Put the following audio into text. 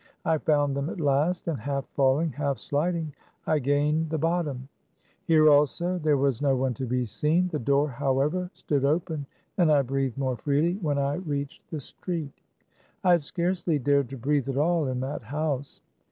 I found them at last, and half falling, half sliding, I gained the bot tom. Here, also, there was no one to be seen ; the door, however, stood open, and I breathed more freely when I reached the street. I had scarcely dared to breathe at all in that house.